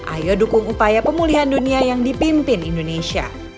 ayo dukung upaya pemulihan dunia yang dipimpin indonesia